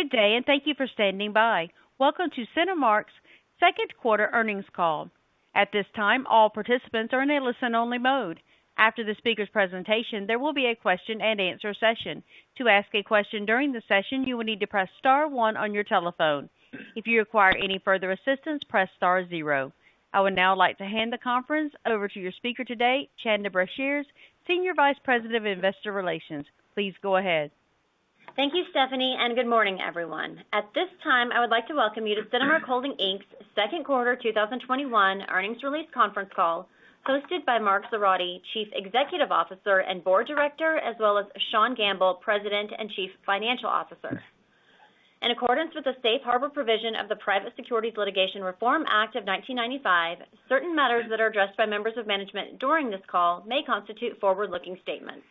Good day, and thank you for standing by. Welcome to Cinemark's second quarter earnings call. At this time, all participants are in a listen-only mode. After the speaker's presentation, there will be a question and answer session. To ask a question during the session, you will need to press star one on your telephone. If you require any further assistance, press star zero. I would now like to hand the conference over to your speaker today, Chanda Brashears, Senior Vice President, Investor Relations. Please go ahead. Thank you, Stephanie, and good morning, everyone. At this time, I would like to welcome you to Cinemark Holdings, Inc.'s second quarter 2021 earnings release conference call hosted by Mark Zoradi, Chief Executive Officer and Board Director, as well as Sean Gamble, President and Chief Financial Officer. In accordance with the safe harbor provision of the Private Securities Litigation Reform Act of 1995, certain matters that are addressed by members of management during this call may constitute forward-looking statements.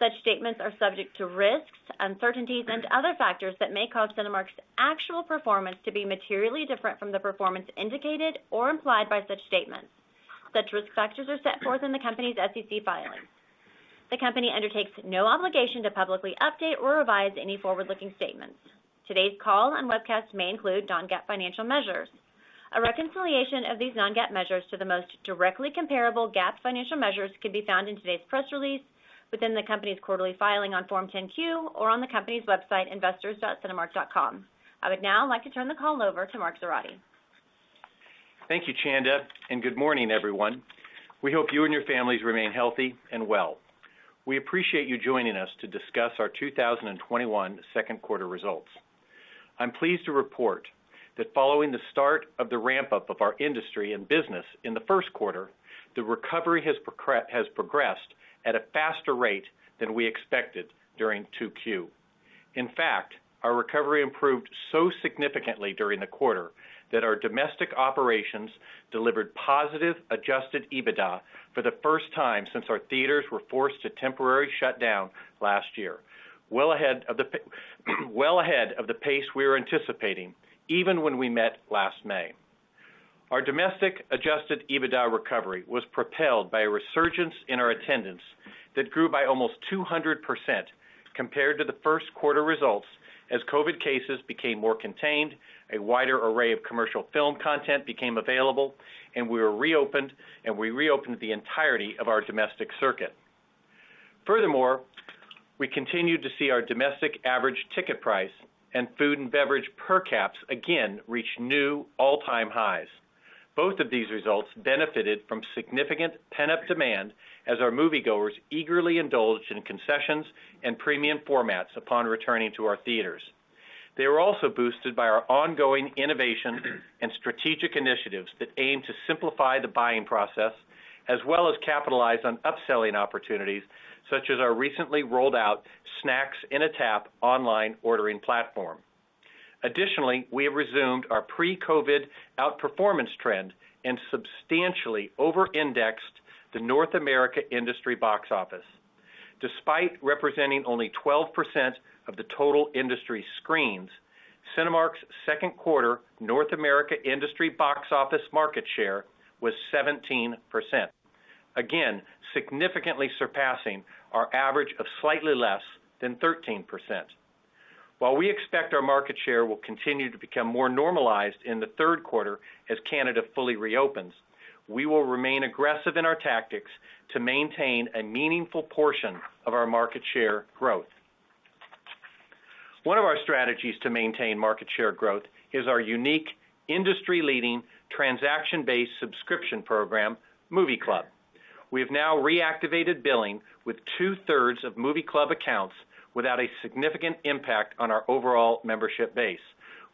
Such statements are subject to risks, uncertainties, and other factors that may cause Cinemark's actual performance to be materially different from the performance indicated or implied by such statements. Such risk factors are set forth in the company's SEC filings. The company undertakes no obligation to publicly update or revise any forward-looking statements. Today's call and webcast may include non-GAAP financial measures. A reconciliation of these non-GAAP measures to the most directly comparable GAAP financial measures can be found in today's press release, within the company's quarterly filing on Form 10-Q, or on the company's website, investors.cinemark.com. I would now like to turn the call over to Mark Zoradi. Thank you, Chanda, and good morning, everyone. We hope you and your families remain healthy and well. We appreciate you joining us to discuss our 2021 second quarter results. I'm pleased to report that following the start of the ramp-up of our industry and business in the first quarter, the recovery has progressed at a faster rate than we expected during 2Q. In fact, our recovery improved so significantly during the quarter that our domestic operations delivered positive adjusted EBITDA for the first time since our theaters were forced to temporarily shut down last year, well ahead of the pace we were anticipating even when we met last May. Our domestic adjusted EBITDA recovery was propelled by a resurgence in our attendance that grew by almost 200% compared to the first quarter results as COVID cases became more contained, a wider array of commercial film content became available, and we reopened the entirety of our domestic circuit. Furthermore, we continued to see our domestic average ticket price and food and beverage per caps again reach new all-time highs. Both of these results benefited from significant pent-up demand as our moviegoers eagerly indulged in concessions and premium formats upon returning to our theaters. They were also boosted by our ongoing innovation and strategic initiatives that aim to simplify the buying process as well as capitalize on upselling opportunities, such as our recently rolled-out Snacks in a Tap online ordering platform. Additionally, we have resumed our pre-COVID outperformance trend and substantially over-indexed the North America industry box office. Despite representing only 12% of the total industry screens, Cinemark's second quarter North America industry box office market share was 17%. Again, significantly surpassing our average of slightly less than 13%. While we expect our market share will continue to become more normalized in the third quarter as Canada fully reopens, we will remain aggressive in our tactics to maintain a meaningful portion of our market share growth. One of our strategies to maintain market share growth is our unique, industry-leading, transaction-based subscription program, Movie Club. We have now reactivated billing with two-thirds of Movie Club accounts without a significant impact on our overall membership base,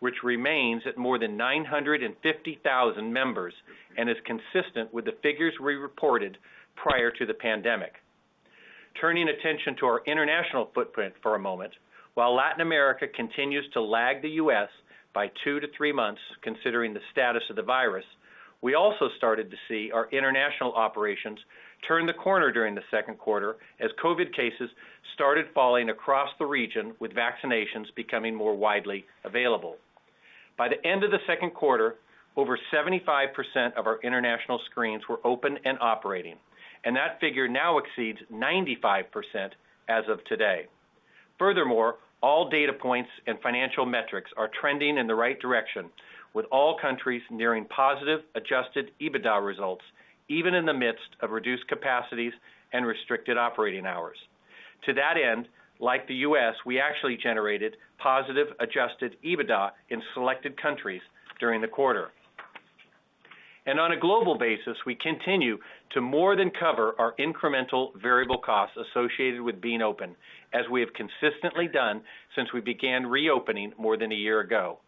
which remains at more than 950,000 members and is consistent with the figures we reported prior to the pandemic. Turning attention to our international footprint for a moment, while Latin America continues to lag the U.S. by two to three months considering the status of the virus, we also started to see our international operations turn the corner during the second quarter as COVID cases started falling across the region with vaccinations becoming more widely available. By the end of the second quarter, over 75% of our international screens were open and operating, and that figure now exceeds 95% as of today. Furthermore, all data points and financial metrics are trending in the right direction, with all countries nearing positive adjusted EBITDA results, even in the midst of reduced capacities and restricted operating hours. To that end, like the U.S., we actually generated positive adjusted EBITDA in selected countries during the quarter. On a global basis, we continue to more than cover our incremental variable costs associated with being open, as we have consistently done since we began reopening more than a year ago.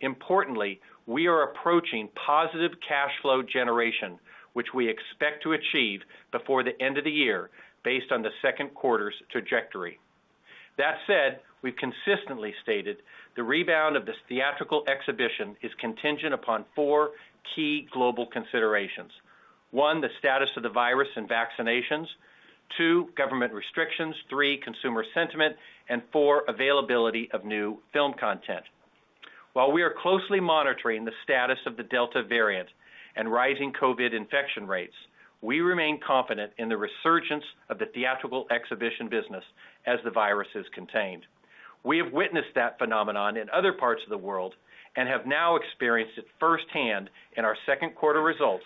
Importantly, we are approaching positive cash flow generation, which we expect to achieve before the end of the year based on the second quarter's trajectory. That said, we've consistently stated the rebound of this theatrical exhibition is contingent upon four key global considerations. One, the status of the virus and vaccinations. Two, government restrictions. Three, consumer sentiment, and four, availability of new film content. While we are closely monitoring the status of the Delta variant and rising COVID infection rates, we remain confident in the resurgence of the theatrical exhibition business as the virus is contained. We have witnessed that phenomenon in other parts of the world and have now experienced it firsthand in our second quarter results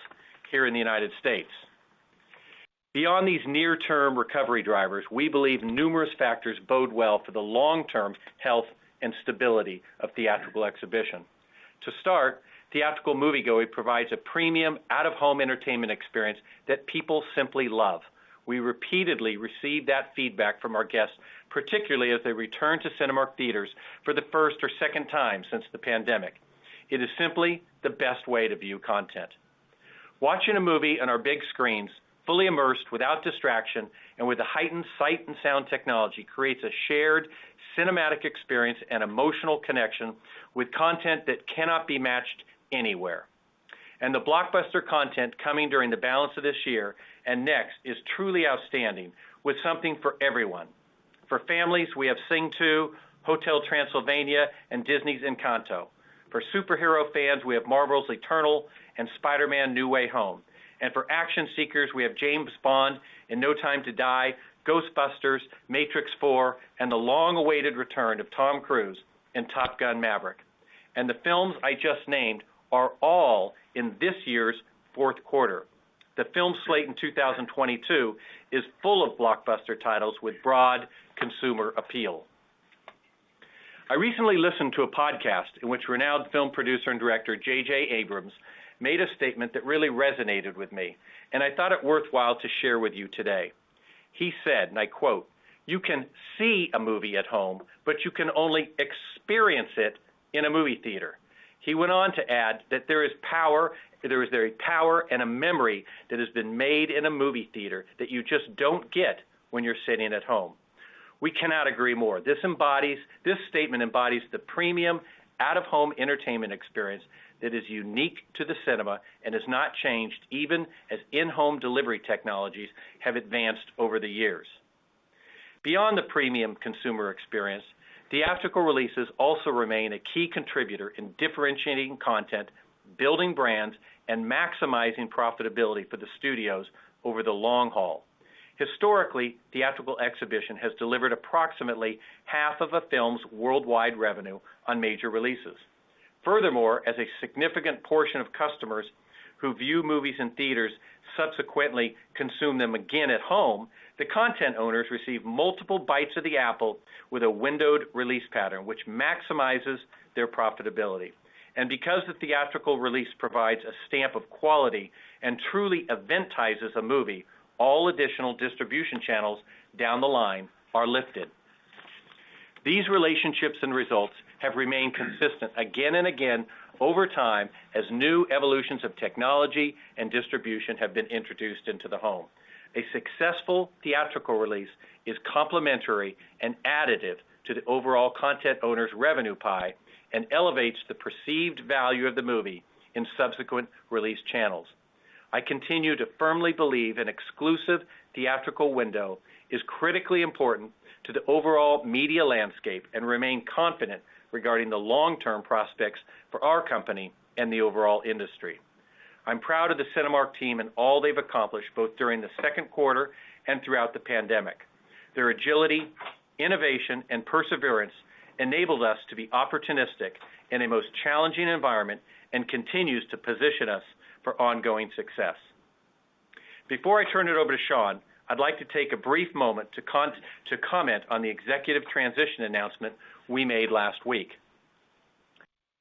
here in the United States. Beyond these near-term recovery drivers, we believe numerous factors bode well for the long-term health and stability of theatrical exhibition. To start, theatrical moviegoing provides a premium out-of-home entertainment experience that people simply love. We repeatedly receive that feedback from our guests, particularly as they return to Cinemark theaters for the first or second time since the pandemic. It is simply the best way to view content. Watching a movie on our big screens, fully immersed without distraction, and with the heightened sight and sound technology, creates a shared cinematic experience and emotional connection with content that cannot be matched anywhere. The blockbuster content coming during the balance of this year and next is truly outstanding, with something for everyone. For families, we have "Sing 2," "Hotel Transylvania," and Disney's "Encanto." For superhero fans, we have Marvel's "Eternals" and "Spider-Man: No Way Home." For action seekers, we have James Bond in "No Time to Die," "Ghostbusters," "Matrix 4," and the long-awaited return of Tom Cruise in "Top Gun: Maverick." The films I just named are all in this year's fourth quarter. The film slate in 2022 is full of blockbuster titles with broad consumer appeal. I recently listened to a podcast in which renowned film producer and director J.J. Abrams made a statement that really resonated with me, and I thought it worthwhile to share with you today. He said, and I quote, "You can see a movie at home, but you can only experience it in a movie theater." He went on to add that there is a power and a memory that has been made in a movie theater that you just don't get when you're sitting at home. We cannot agree more. This statement embodies the premium out-of-home entertainment experience that is unique to the cinema and has not changed even as in-home delivery technologies have advanced over the years. Beyond the premium consumer experience, theatrical releases also remain a key contributor in differentiating content, building brands, and maximizing profitability for the studios over the long haul. Historically, theatrical exhibition has delivered approximately half of a film's worldwide revenue on major releases. Furthermore, as a significant portion of customers who view movies in theaters subsequently consume them again at home, the content owners receive multiple bites of the apple with a windowed release pattern, which maximizes their profitability. Because the theatrical release provides a stamp of quality and truly eventizes a movie, all additional distribution channels down the line are lifted. These relationships and results have remained consistent again and again over time as new evolutions of technology and distribution have been introduced into the home. A successful theatrical release is complementary and additive to the overall content owner's revenue pie and elevates the perceived value of the movie in subsequent release channels. I continue to firmly believe an exclusive theatrical window is critically important to the overall media landscape and remain confident regarding the long-term prospects for our company and the overall industry. I'm proud of the Cinemark team and all they've accomplished, both during the second quarter and throughout the pandemic. Their agility, innovation, and perseverance enabled us to be opportunistic in a most challenging environment and continues to position us for ongoing success. Before I turn it over to Sean, I'd like to take a brief moment to comment on the executive transition announcement we made last week.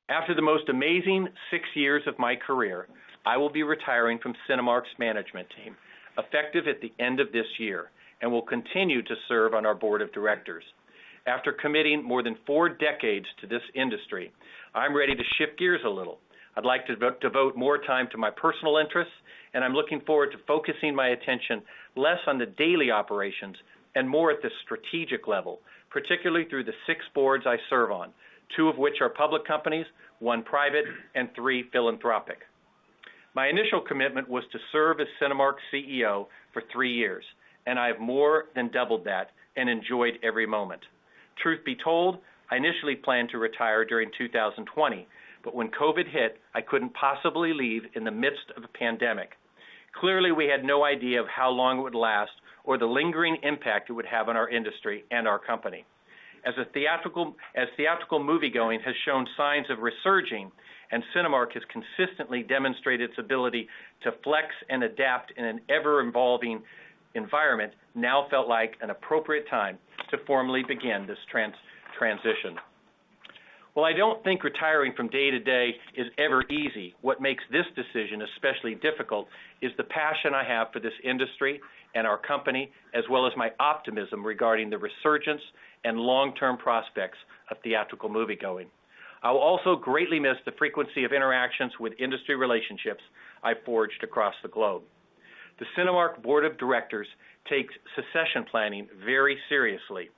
After the most amazing six years of my career, I will be retiring from Cinemark's management team, effective at the end of this year, and will continue to serve on our board of directors. After committing more than four decades to this industry, I'm ready to shift gears a little. I'd like to devote more time to my personal interests, and I'm looking forward to focusing my attention less on the daily operations and more at the strategic level, particularly through the six boards I serve on, two of which are public companies, one private, and three philanthropic. My initial commitment was to serve as Cinemark CEO for three years, and I have more than doubled that and enjoyed every moment. Truth be told, I initially planned to retire during 2020, but when COVID hit, I couldn't possibly leave in the midst of a pandemic. Clearly, we had no idea of how long it would last or the lingering impact it would have on our industry and our company. As theatrical moviegoing has shown signs of resurging and Cinemark has consistently demonstrated its ability to flex and adapt in an ever-evolving environment, now felt like an appropriate time to formally begin this transition. While I don't think retiring from day-to-day is ever easy, what makes this decision especially difficult is the passion I have for this industry and our company, as well as my optimism regarding the resurgence and long-term prospects of theatrical moviegoing. I will also greatly miss the frequency of interactions with industry relationships I forged across the globe. The Cinemark board of directors takes succession planning very seriously,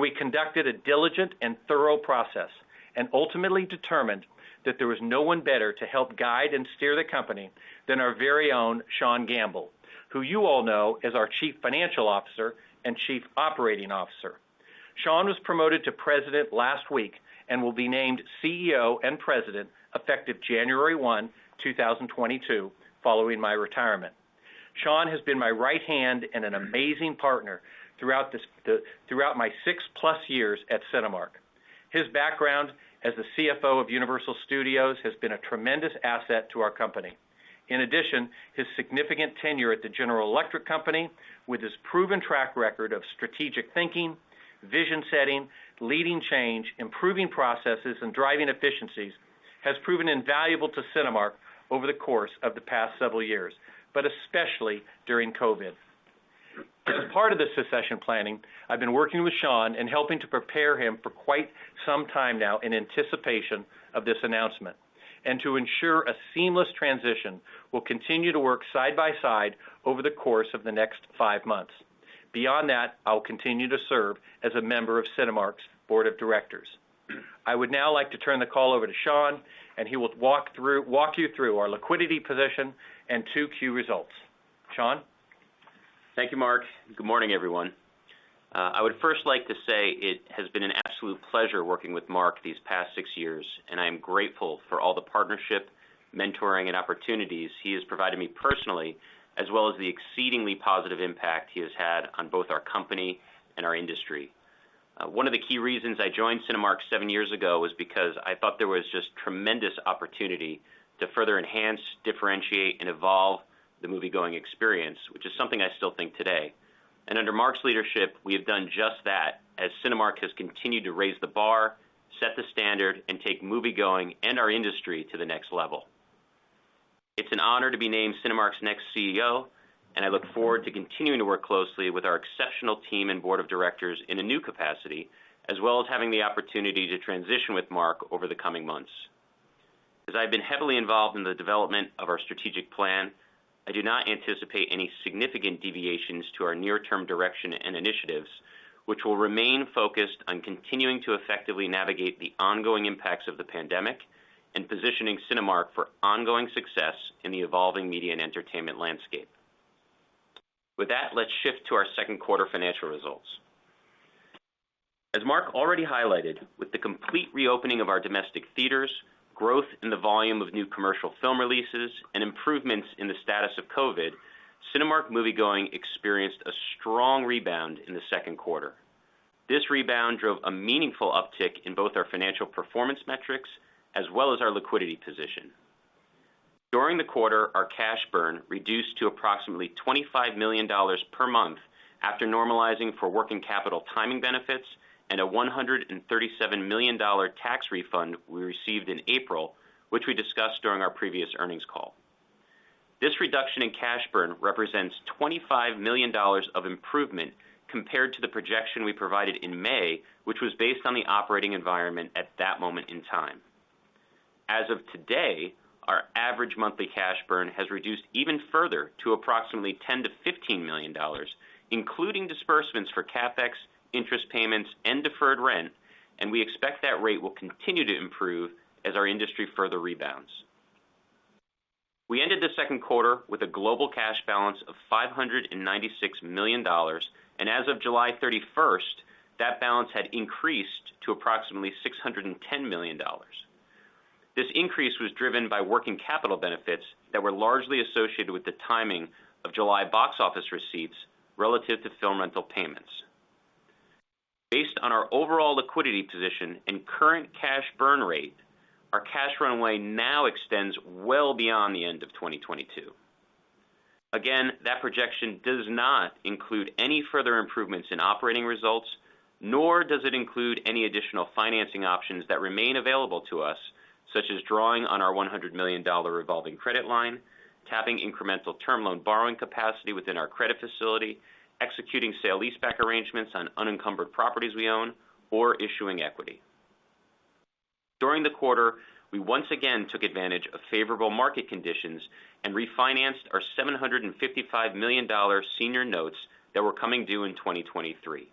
we conducted a diligent and thorough process and ultimately determined that there was no one better to help guide and steer the company than our very own Sean Gamble, who you all know as our Chief Financial Officer and Chief Operating Officer. Sean was promoted to President last week and will be named CEO and President effective January 1, 2022, following my retirement. Sean has been my right hand and an amazing partner throughout my six-plus years at Cinemark. His background as the CFO of Universal Pictures has been a tremendous asset to our company. In addition, his significant tenure at the General Electric Company with his proven track record of strategic thinking, vision setting, leading change, improving processes, and driving efficiencies, has proven invaluable to Cinemark over the course of the past several years, but especially during COVID. As a part of the succession planning, I've been working with Sean and helping to prepare him for quite some time now in anticipation of this announcement. To ensure a seamless transition, we'll continue to work side by side over the course of the next five months. Beyond that, I will continue to serve as a member of Cinemark's Board of Directors. I would now like to turn the call over to Sean, and he will walk you through our liquidity position and 2Q results. Sean? Thank you, Mark. Good morning, everyone. I would first like to say it has been an absolute pleasure working with Mark these past six years, and I am grateful for all the partnership, mentoring, and opportunities he has provided me personally, as well as the exceedingly positive impact he has had on both our company and our industry. One of the key reasons I joined Cinemark seven years ago was because I thought there was just tremendous opportunity to further enhance, differentiate, and evolve the moviegoing experience, which is something I still think today. Under Mark's leadership, we have done just that, as Cinemark has continued to raise the bar, set the standard, and take moviegoing and our industry to the next level. It's an honor to be named Cinemark's next CEO. I look forward to continuing to work closely with our exceptional team and board of directors in a new capacity, as well as having the opportunity to transition with Mark over the coming months. I've been heavily involved in the development of our strategic plan. I do not anticipate any significant deviations to our near-term direction and initiatives, which will remain focused on continuing to effectively navigate the ongoing impacts of the pandemic and positioning Cinemark for ongoing success in the evolving media and entertainment landscape. With that, let's shift to our second quarter financial results. Mark already highlighted, with the complete reopening of our domestic theaters, growth in the volume of new commercial film releases, and improvements in the status of COVID. Cinemark moviegoing experienced a strong rebound in the second quarter. This rebound drove a meaningful uptick in both our financial performance metrics as well as our liquidity position. During the quarter, our cash burn reduced to approximately $25 million per month after normalizing for working capital timing benefits and a $137 million tax refund we received in April, which we discussed during our previous earnings call. This reduction in cash burn represents $25 million of improvement compared to the projection we provided in May, which was based on the operating environment at that moment in time. As of today, our average monthly cash burn has reduced even further to approximately $10 million-$15 million, including disbursements for CapEx, interest payments, and deferred rent, and we expect that rate will continue to improve as our industry further rebounds. We ended the second quarter with a global cash balance of $596 million, and as of July 31st, that balance had increased to approximately $610 million. This increase was driven by working capital benefits that were largely associated with the timing of July box office receipts relative to film rental payments. Based on our overall liquidity position and current cash burn rate, our cash runway now extends well beyond the end of 2022. Again, that projection does not include any further improvements in operating results, nor does it include any additional financing options that remain available to us, such as drawing on our $100 million revolving credit line, tapping incremental term loan borrowing capacity within our credit facility, executing sale leaseback arrangements on unencumbered properties we own, or issuing equity. During the quarter, we once again took advantage of favorable market conditions and refinanced our $755 million senior notes that were coming due in 2023.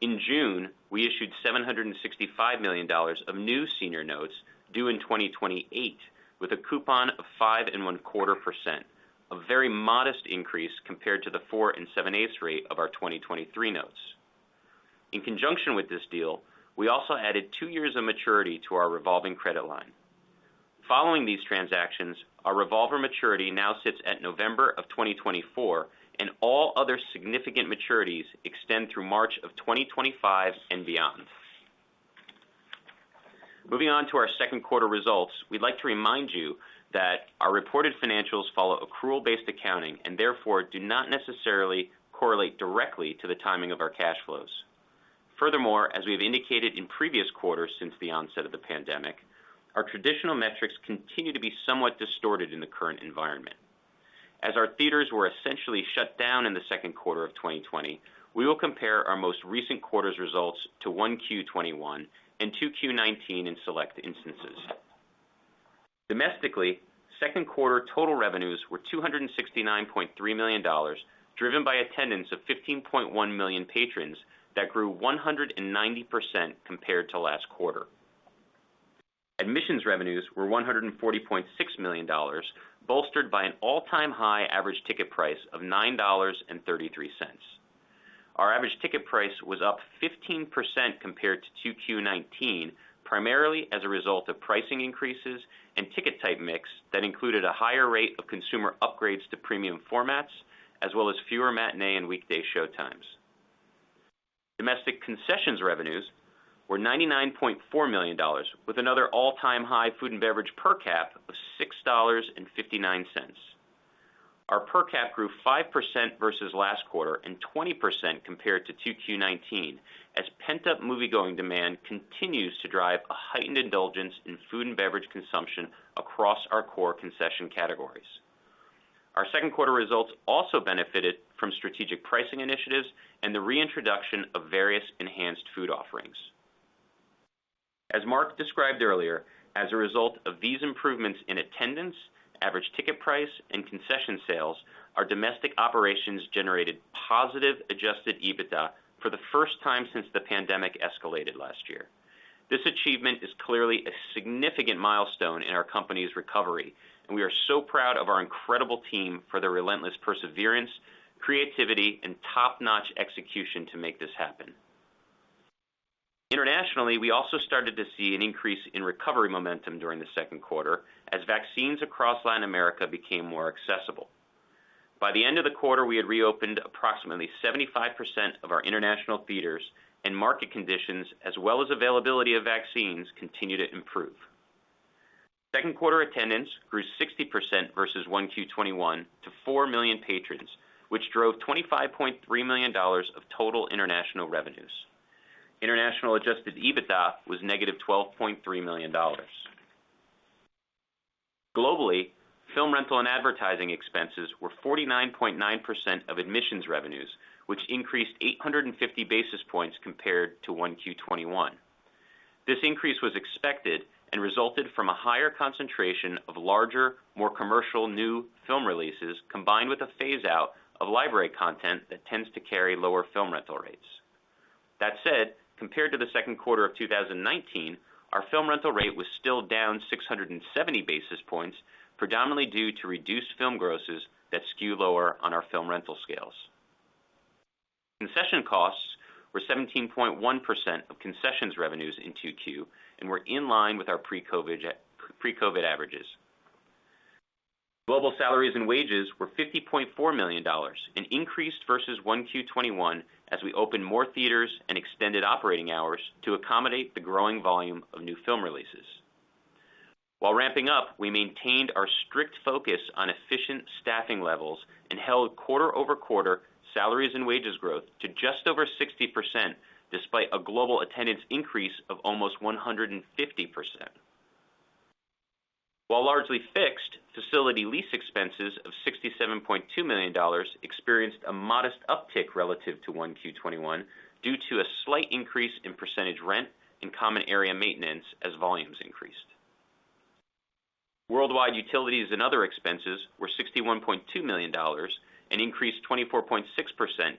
In June, we issued $765 million of new senior notes due in 2028 with a coupon of 5.25%, a very modest increase compared to the 4.875% rate of our 2023 notes. In conjunction with this deal, we also added two years of maturity to our revolving credit line. Following these transactions, our revolver maturity now sits at November of 2024, and all other significant maturities extend through March of 2025 and beyond. Moving on to our second quarter results, we'd like to remind you that our reported financials follow accrual-based accounting and therefore do not necessarily correlate directly to the timing of our cash flows. Furthermore, as we have indicated in previous quarters since the onset of the pandemic, our traditional metrics continue to be somewhat distorted in the current environment. As our theaters were essentially shut down in the second quarter of 2020, we will compare our most recent quarter's results to 1Q 2021 and 2Q 2019 in select instances. Domestically, second quarter total revenues were $269.3 million, driven by attendance of 15.1 million patrons that grew 190% compared to last quarter. Admissions revenues were $140.6 million, bolstered by an all-time high average ticket price of $9.33. Our average ticket price was up 15% compared to 2Q 2019, primarily as a result of pricing increases in ticket type mix that included a higher rate of consumer upgrades to premium formats, as well as fewer matinee and weekday showtimes. Domestic concessions revenues were $99.4 million with another all-time high food and beverage per cap of $6.59. Our per cap grew 5% versus last quarter and 20% compared to 2Q 2019, as pent-up moviegoing demand continues to drive a heightened indulgence in food and beverage consumption across our core concession categories. Our second quarter results also benefited from strategic pricing initiatives and the reintroduction of various enhanced food offerings. As Mark described earlier, as a result of these improvements in attendance, average ticket price, and concession sales, our domestic operations generated positive adjusted EBITDA for the first time since the pandemic escalated last year. This achievement is clearly a significant milestone in our company's recovery. We are so proud of our incredible team for their relentless perseverance, creativity, and top-notch execution to make this happen. Internationally, we also started to see an increase in recovery momentum during the second quarter as vaccines across Latin America became more accessible. By the end of the quarter, we had reopened approximately 75% of our international theaters, and market conditions as well as availability of vaccines continued to improve. Second quarter attendance grew 60% versus 1Q 2021 to 4 million patrons, which drove $25.3 million of total international revenues. International adjusted EBITDA was -$12.3 million. Globally, film rental and advertising expenses were 49.9% of admissions revenues, which increased 850 basis points compared to 1Q 2021. This increase was expected and resulted from a higher concentration of larger, more commercial new film releases, combined with a phase-out of library content that tends to carry lower film rental rates. That said, compared to the second quarter of 2019, our film rental rate was still down 670 basis points, predominantly due to reduced film grosses that skew lower on our film rental scales. Concession costs were 17.1% of concessions revenues in 2Q and were in line with our pre-COVID averages. Global salaries and wages were $50.4 million, an increase versus 1Q 2021 as we opened more theaters and extended operating hours to accommodate the growing volume of new film releases. While ramping up, we maintained our strict focus on efficient staffing levels and held quarter-over-quarter salaries and wages growth to just over 60%, despite a global attendance increase of almost 150%. While largely fixed, facility lease expenses of $67.2 million experienced a modest uptick relative to 1Q 2021 due to a slight increase in percentage rent and common area maintenance as volumes increased. Worldwide utilities and other expenses were $61.2 million, an increase 24.6%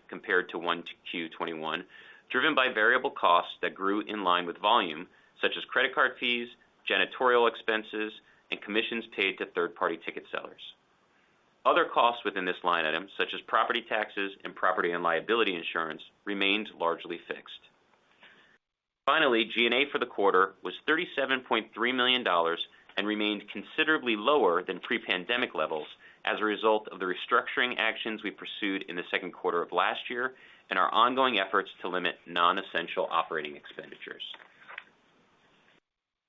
compared to 1Q 2021, driven by variable costs that grew in line with volume, such as credit card fees, janitorial expenses, and commissions paid to third-party ticket sellers. Other costs within this line item, such as property taxes and property and liability insurance, remained largely fixed. Finally, G&A for the quarter was $37.3 million and remained considerably lower than pre-pandemic levels as a result of the restructuring actions we pursued in the second quarter of last year and our ongoing efforts to limit non-essential operating expenditures.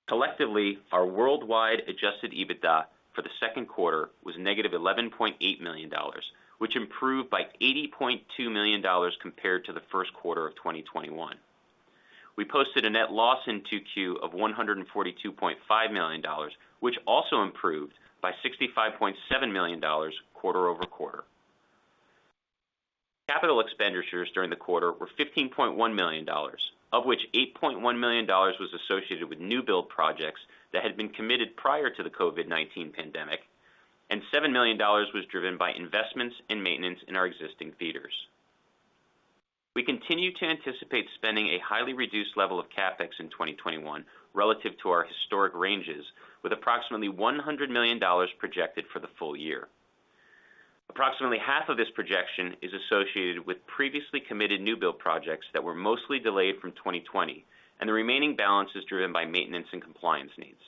Collectively, our worldwide adjusted EBITDA for the second quarter was negative $11.8 million, which improved by $80.2 million compared to the first quarter of 2021. We posted a net loss in 2Q of $142.5 million, which also improved by $65.7 million quarter-over-quarter. Capital expenditures during the quarter were $15.1 million, of which $8.1 million was associated with new build projects that had been committed prior to the COVID-19 pandemic, and $7 million was driven by investments and maintenance in our existing theaters. We continue to anticipate spending a highly reduced level of CapEx in 2021 relative to our historic ranges, with approximately $100 million projected for the full year. Approximately half of this projection is associated with previously committed new build projects that were mostly delayed from 2020, and the remaining balance is driven by maintenance and compliance needs.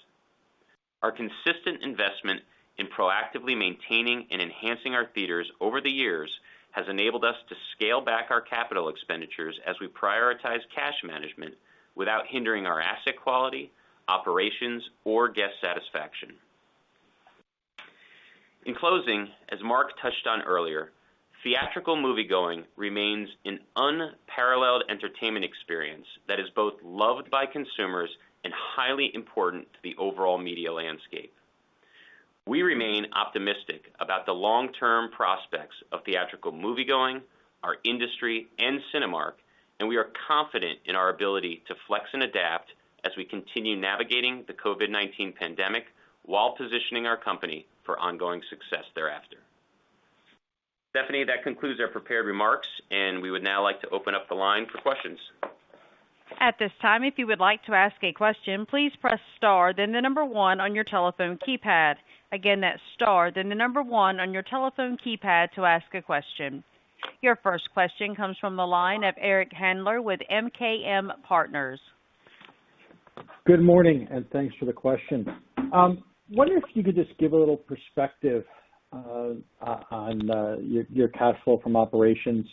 Our consistent investment in proactively maintaining and enhancing our theaters over the years has enabled us to scale back our capital expenditures as we prioritize cash management without hindering our asset quality, operations, or guest satisfaction. In closing, as Mark touched on earlier, theatrical moviegoing remains an unparalleled entertainment experience that is both loved by consumers and highly important to the overall media landscape. We remain optimistic about the long-term prospects of theatrical moviegoing, our industry, and Cinemark, and we are confident in our ability to flex and adapt as we continue navigating the COVID-19 pandemic while positioning our company for ongoing success thereafter. Stephanie, that concludes our prepared remarks, and we would now like to open up the line for questions. At this time if you would like to ask a question please press star then number one on your telephone keypad. Again star then number one on your telephone keypad. Your first question comes from the line of Eric Handler with MKM Partners. Good morning, thanks for the question. Wondering if you could just give a little perspective on your cash flow from operations.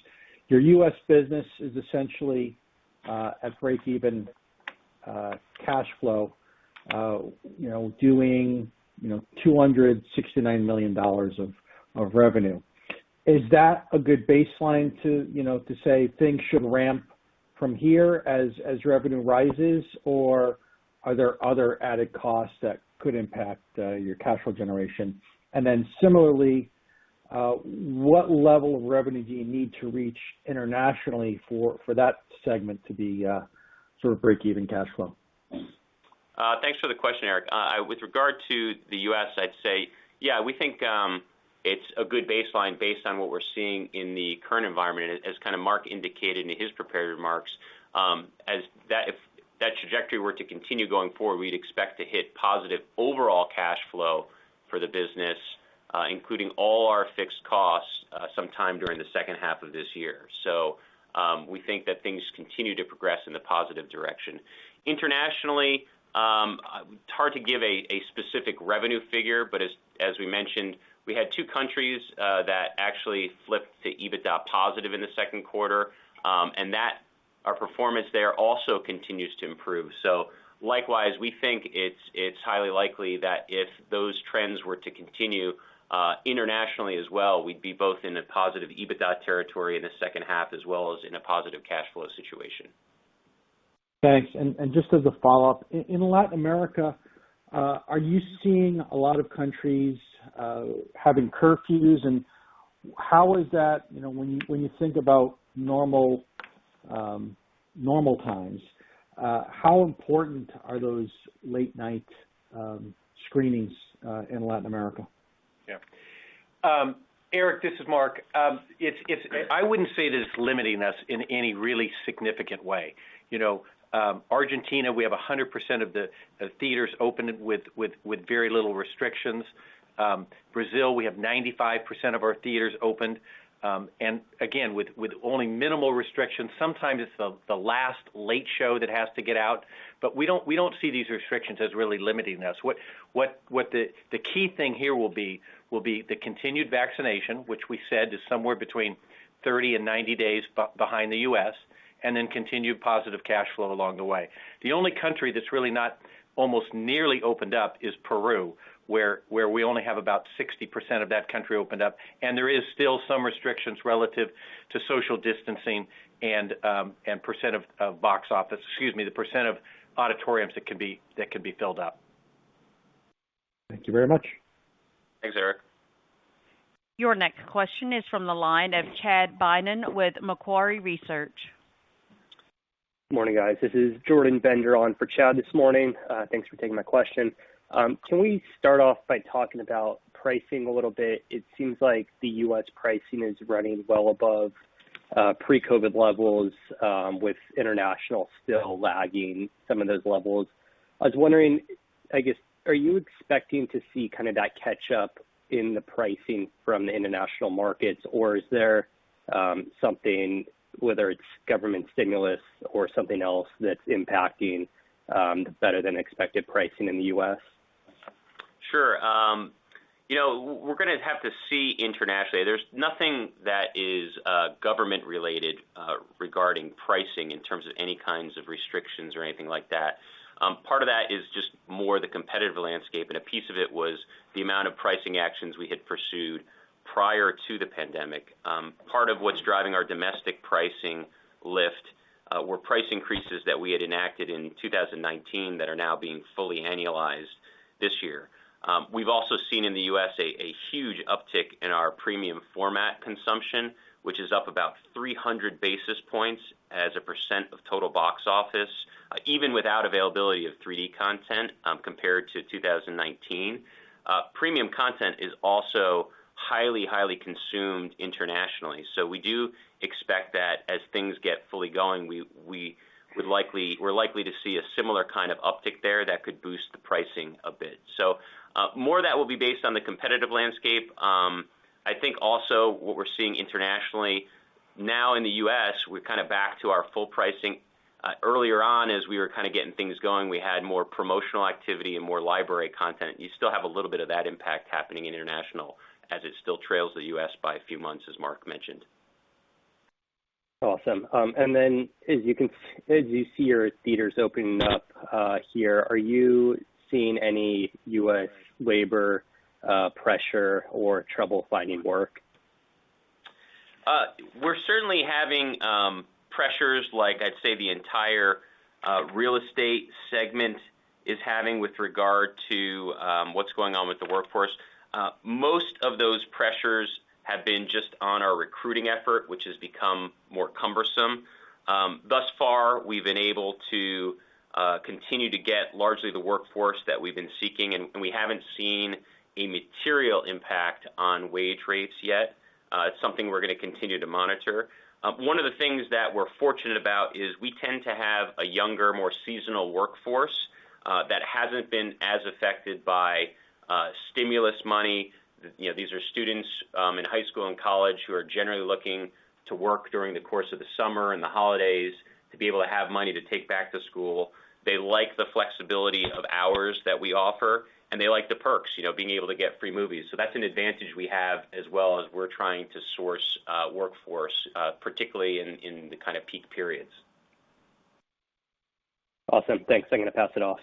Your U.S. business is essentially at breakeven cash flow, doing $269 million of revenue. Is that a good baseline to say things should ramp from here as revenue rises, or are there other added costs that could impact your cash flow generation? Similarly, what level of revenue do you need to reach internationally for that segment to be sort of breakeven cash flow? Thanks for the question, Eric. With regard to the U.S., I'd say, yeah, we think it's a good baseline based on what we're seeing in the current environment. As Mark indicated in his prepared remarks, if that trajectory were to continue going forward, we'd expect to hit positive overall cash flow for the business including all our fixed costs, sometime during the second half of this year. We think that things continue to progress in the positive direction. Internationally, it's hard to give a specific revenue figure, but as we mentioned, we had two countries that actually flipped to EBITDA positive in the second quarter. Our performance there also continues to improve. Likewise, we think it's highly likely that if those trends were to continue internationally as well, we'd be both in a positive EBITDA territory in the second half, as well as in a positive cash flow situation. Thanks. Just as a follow-up. In Latin America, are you seeing a lot of countries having curfews? When you think about normal times, how important are those late-night screenings in Latin America? Yeah. Eric, this is Mark. I wouldn't say that it's limiting us in any really significant way. Argentina, we have 100% of the theaters opened with very little restrictions. Brazil, we have 95% of our theaters opened, again, with only minimal restrictions. Sometimes it's the last late show that has to get out. We don't see these restrictions as really limiting us. What the key thing here will be, the continued vaccination, which we said is somewhere between 30 and 90 days behind the U.S., then continued positive cash flow along the way. The only country that's really not almost nearly opened up is Peru, where we only have about 60% of that country opened up, there is still some restrictions relative to social distancing and the percent of auditoriums that can be filled up. Thank you very much. Thanks, Eric. Your next question is from the line of Chad Beynon with Macquarie Research. Morning, guys. This is Jordan Bender on for Chad this morning. Thanks for taking my question. Can we start off by talking about pricing a little bit? It seems like the U.S. pricing is running well above pre-COVID levels with international still lagging some of those levels. I was wondering, I guess, are you expecting to see that catch up in the pricing from the international markets, or is there something, whether it's government stimulus or something else that's impacting better-than-expected pricing in the U.S.? Sure. We're going to have to see internationally. There's nothing that is government-related regarding pricing in terms of any kinds of restrictions or anything like that. Part of that is just more the competitive landscape, and a piece of it was the amount of pricing actions we had pursued prior to the pandemic. Part of what's driving our domestic pricing lift were price increases that we had enacted in 2019 that are now being fully annualized this year. We've also seen in the U.S. a huge uptick in our premium format consumption, which is up about 300 basis points as a percent of total box office, even without availability of 3D content compared to 2019. Premium content is also highly consumed internationally. We do expect that as things get fully going, we're likely to see a similar kind of uptick there that could boost the pricing a bit. More of that will be based on the competitive landscape. I think also what we're seeing internationally now in the U.S., we're kind of back to our full pricing. Earlier on as we were kind of getting things going, we had more promotional activity and more library content. You still have a little bit of that impact happening in international as it still trails the U.S. by a few months, as Mark mentioned. Awesome. Then as you see your theaters opening up here, are you seeing any U.S. labor pressure or trouble finding work? We're certainly having pressures like I'd say the entire real estate segment is having with regard to what's going on with the workforce. Most of those pressures have been just on our recruiting effort, which has become more cumbersome. Thus far, we've been able to continue to get largely the workforce that we've been seeking, and we haven't seen a material impact on wage rates yet. It's something we're going to continue to monitor. One of the things that we're fortunate about is we tend to have a younger, more seasonal workforce, that hasn't been as affected by stimulus money. These are students in high school and college who are generally looking to work during the course of the summer and the holidays to be able to have money to take back to school. They like the flexibility of hours that we offer, and they like the perks, being able to get free movies. That's an advantage we have as well as we're trying to source workforce, particularly in the kind of peak periods. Awesome. Thanks. I'm going to pass it off.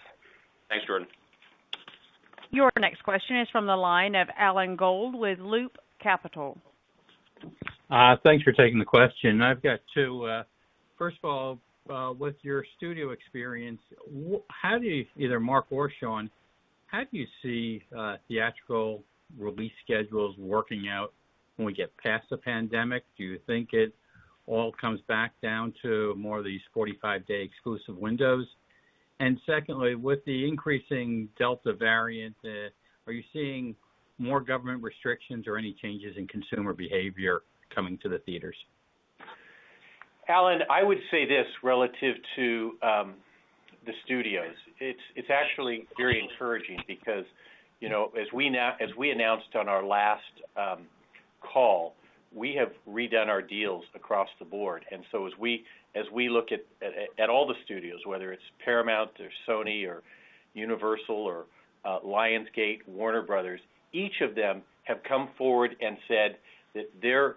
Thanks, Jordan. Your next question is from the line of Alan Gould with Loop Capital. Thanks for taking the question. I've got two. First of all, with your studio experience, either Mark or Sean, how do you see theatrical release schedules working out when we get past the pandemic? Do you think it all comes back down to more of these 45-day exclusive windows? Secondly, with the increasing Delta variant, are you seeing more government restrictions or any changes in consumer behavior coming to the theaters? Alan, I would say this relative to the studios. It's actually very encouraging because, as we announced on our last call, we have redone our deals across the board. As we look at all the studios, whether it's Paramount or Sony or Universal or Lionsgate, Warner Bros., each of them have come forward and said that their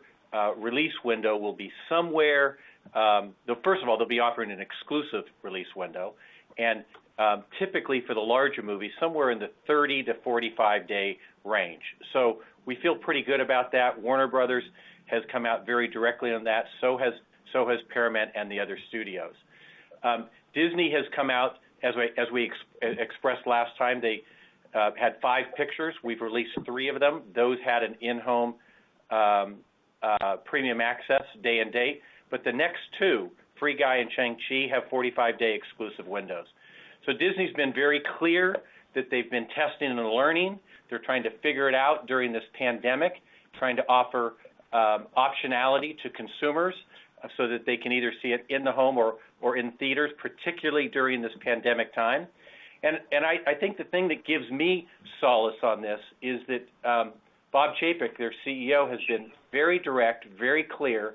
release window will be First of all, they'll be offering an exclusive release window, and typically for the larger movies, somewhere in the 30 to 45-day range. We feel pretty good about that. Warner Bros. has come out very directly on that. Has Paramount and the other studios. Disney has come out, as we expressed last time, they had five pictures. We've released three of them. Those had an in-home premium access day and date. The next two, "Free Guy" and "Shang-Chi," have 45-day exclusive windows. Disney's been very clear that they've been testing and learning. They're trying to figure it out during this pandemic, trying to offer optionality to consumers so that they can either see it in the home or in theaters, particularly during this pandemic time. I think the thing that gives me solace on this is that Bob Chapek, their CEO, has been very direct, very clear,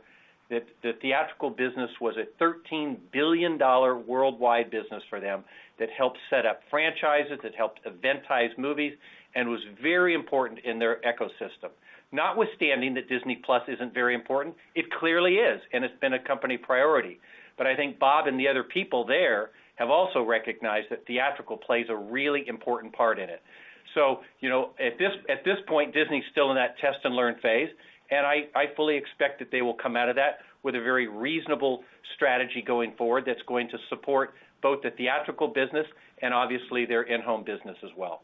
that the theatrical business was a $13 billion worldwide business for them that helped set up franchises, that helped eventize movies, and was very important in their ecosystem. Notwithstanding that Disney+ isn't very important, it clearly is, and it's been a company priority. I think Bob and the other people there have also recognized that theatrical plays a really important part in it. At this point, Disney's still in that test and learn phase, and I fully expect that they will come out of that with a very reasonable strategy going forward that's going to support both the theatrical business and obviously their in-home business as well.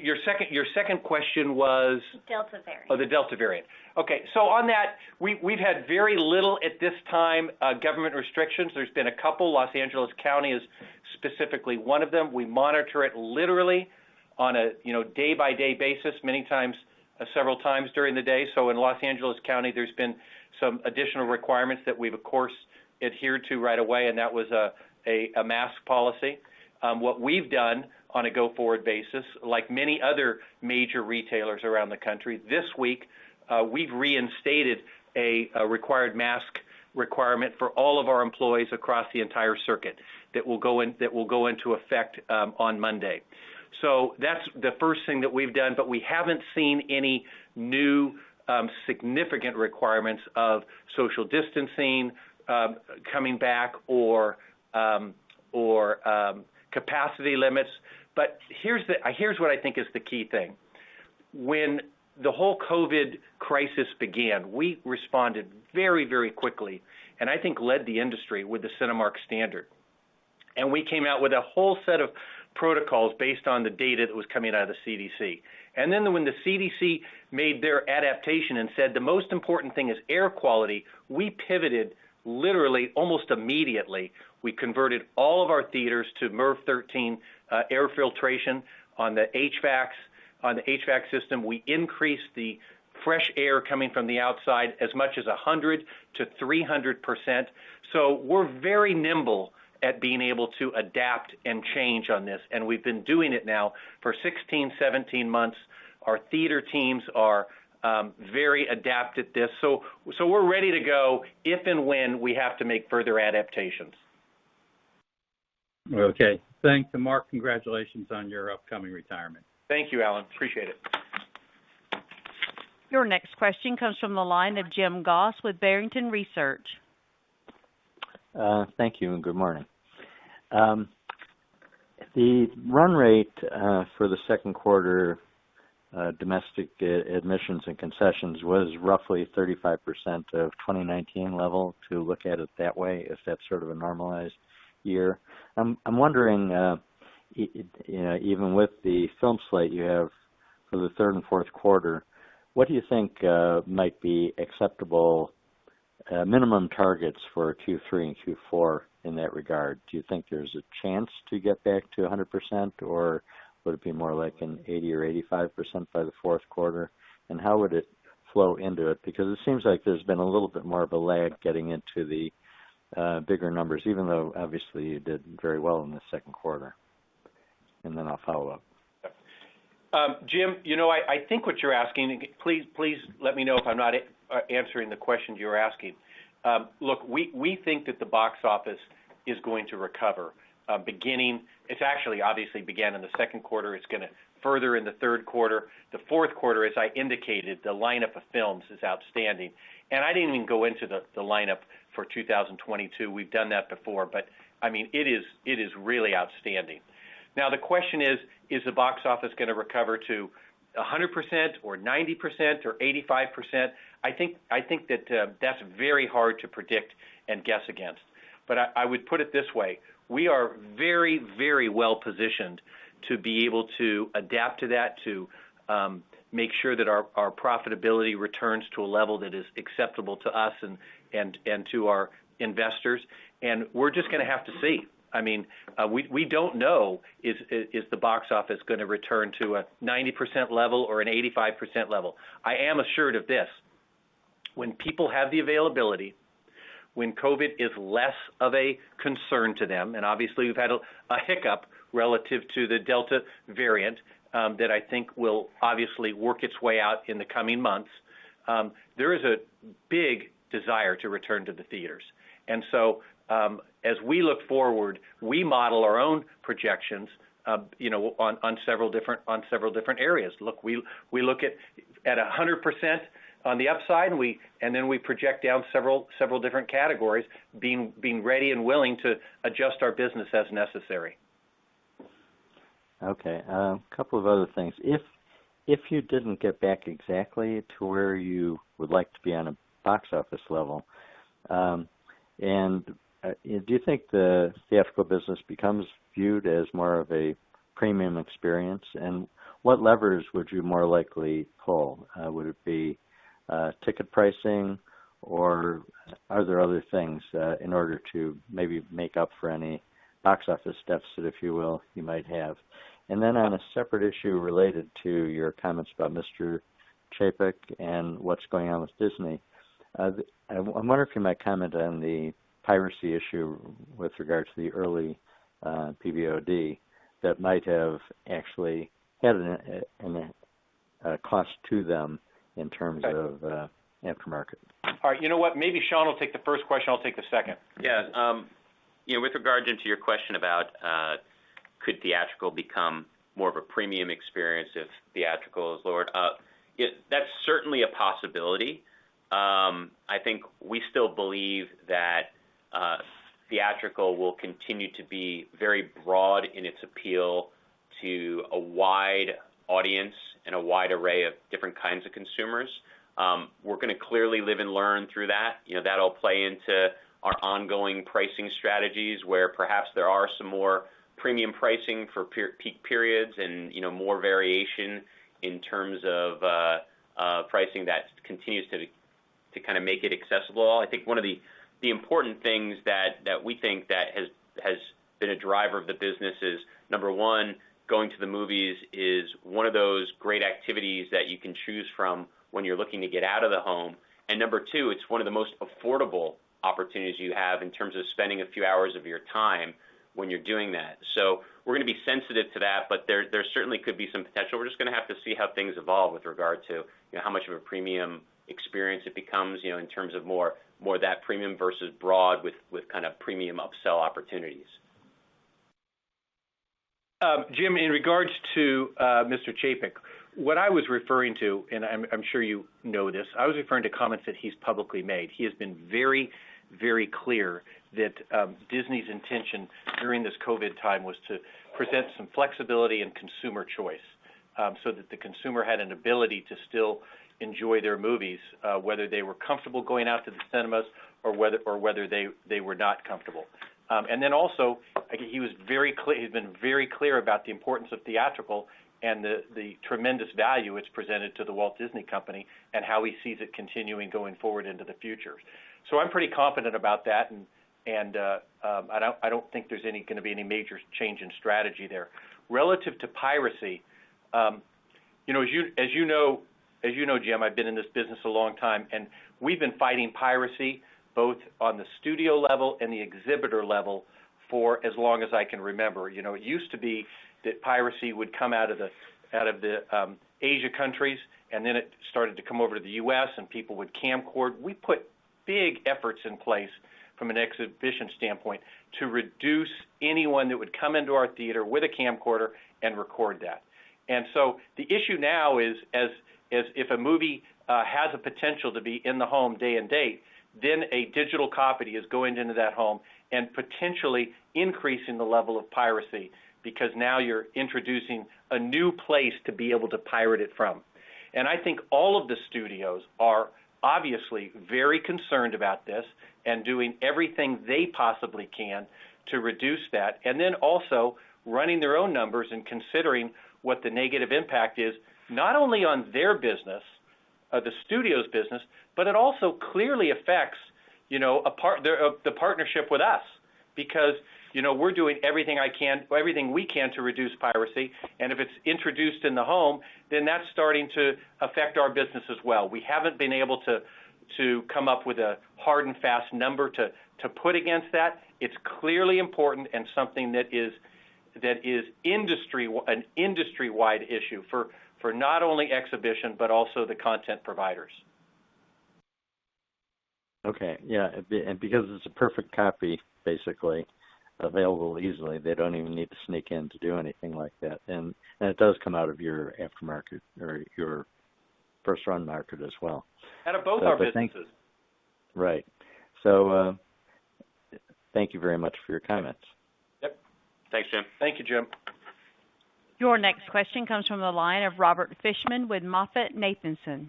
Your second question was? The Delta variant. The Delta variant. On that, we've had very little at this time, government restrictions. There's been a couple. Los Angeles County is specifically one of them. We monitor it literally on a day-by-day basis, many times several times during the day. In Los Angeles County, there's been some additional requirements that we've, of course, adhered to right away, and that was a mask policy. What we've done on a go-forward basis, like many other major retailers around the country, this week, we've reinstated a required mask requirement for all of our employees across the entire circuit that will go into effect on Monday. That's the first thing that we've done, we haven't seen any new significant requirements of social distancing coming back or capacity limits. Here's what I think is the key thing. When the whole COVID crisis began, we responded very quickly, and I think led the industry with the Cinemark Standard. We came out with a whole set of protocols based on the data that was coming out of the CDC. When the CDC made their adaptation and said the most important thing is air quality, we pivoted literally almost immediately. We converted all of our theaters to MERV 13 air filtration on the HVAC system. We increased the fresh air coming from the outside as much as 100%-300%. We're very nimble at being able to adapt and change on this, and we've been doing it now for 16, 17 months. Our theater teams are very adept at this. We're ready to go if and when we have to make further adaptations. Okay. Thanks. Mark, congratulations on your upcoming retirement. Thank you, Alan. Appreciate it. Your next question comes from the line of Jim Goss with Barrington Research. Thank you, and good morning. The run rate for the second quarter domestic admissions and concessions was roughly 35% of 2019 level to look at it that way, if that's sort of a normalized year. I'm wondering, even with the film slate you have for the third and fourth quarter, what do you think might be acceptable minimum targets for Q3 and Q4 in that regard? Do you think there's a chance to get back to 100%? Would it be more like an 80% or 85% by the fourth quarter? How would it flow into it? Because it seems like there's been a little bit more of a lag getting into the bigger numbers, even though obviously you did very well in the second quarter. I'll follow up. Jim, I think what you're asking, please let me know if I'm not answering the questions you're asking. Look, we think that the box office is going to recover. It's actually obviously began in the second quarter, it's going to further in the third quarter. The fourth quarter, as I indicated, the lineup of films is outstanding. I didn't even go into the lineup for 2022. We've done that before, it is really outstanding. Now, the question is the box office going to recover to 100% or 90% or 85%? I think that's very hard to predict and guess against. I would put it this way, we are very well-positioned to be able to adapt to that, to make sure that our profitability returns to a level that is acceptable to us and to our investors, we're just going to have to see. We don't know if the box office is going to return to a 90% level or an 85% level. I am assured of this, when people have the availability, when COVID is less of a concern to them, and obviously we've had a hiccup relative to the Delta variant, that I think will obviously work its way out in the coming months, there is a big desire to return to the theaters. As we look forward, we model our own projections on several different areas. Look, we look at 100% on the upside, and then we project down several different categories, being ready and willing to adjust our business as necessary. Okay. A couple of other things. If you didn't get back exactly to where you would like to be on a box office level, do you think the theatrical business becomes viewed as more of a premium experience? What levers would you more likely pull? Would it be ticket pricing, or are there other things in order to maybe make up for any box office deficit, if you will, you might have? On a separate issue related to your comments about Mr. Chapek and what's going on with Disney, I wonder if you might comment on the piracy issue with regards to the early PVOD that might have actually had a cost to them in terms of after-market. All right. You know what, maybe Sean will take the first question, I'll take the second. Yeah. With regard to your question about could theatrical become more of a premium experience if theatrical is lowered, that's certainly a possibility. I think we still believe that theatrical will continue to be very broad in its appeal to a wide audience and a wide array of different kinds of consumers. We're going to clearly live and learn through that. That'll play into our ongoing pricing strategies, where perhaps there are some more premium pricing for peak periods and more variation in terms of pricing that continues to kind of make it accessible. I think one of the important things that we think that has been a driver of the business is, number one, going to the movies is one of those great activities that you can choose from when you're looking to get out of the home. Number two, it's one of the most affordable opportunities you have in terms of spending a few hours of your time when you're doing that. We're going to be sensitive to that, but there certainly could be some potential. We're just going to have to see how things evolve with regard to how much of a premium experience it becomes in terms of more that premium versus broad with kind of premium upsell opportunities. Jim, in regards to Mr. Chapek, what I was referring to, and I'm sure you know this, I was referring to comments that he's publicly made. He has been very clear that Disney's intention during this COVID time was to present some flexibility and consumer choice, so that the consumer had an ability to still enjoy their movies whether they were comfortable going out to the cinemas or whether they were not comfortable. Also, he's been very clear about the importance of theatrical and the tremendous value it's presented to The Walt Disney Company, and how he sees it continuing going forward into the future. I'm pretty confident about that, and I don't think there's going to be any major change in strategy there. Relative to piracy, as you know, Jim, I've been in this business a long time, and we've been fighting piracy, both on the studio level and the exhibitor level, for as long as I can remember. It used to be that piracy would come out of the Asia countries, and then it started to come over to the U.S. and people would camcord. We put big efforts in place from an exhibition standpoint to reduce anyone that would come into our theater with a camcorder and record that. The issue now is, if a movie has a potential to be in the home day and date, then a digital copy is going into that home and potentially increasing the level of piracy, because now you're introducing a new place to be able to pirate it from. I think all of the studios are obviously very concerned about this and doing everything they possibly can to reduce that, and then also running their own numbers and considering what the negative impact is, not only on their business, the studio's business, but it also clearly affects the partnership with us. We're doing everything we can to reduce piracy, and if it's introduced in the home, then that's starting to affect our business as well. We haven't been able to come up with a hard and fast number to put against that. It's clearly important and something that is an industry-wide issue for not only exhibition, but also the content providers. Okay. Yeah. Because it's a perfect copy, basically, available easily, they don't even need to sneak in to do anything like that. It does come out of your aftermarket or your first-run market as well. Out of both our businesses. Right. Thank you very much for your comments. Yep. Thanks, Jim. Thank you, Jim. Your next question comes from the line of Robert Fishman with MoffettNathanson.